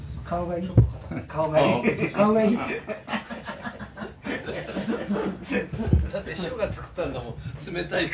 顔がいい。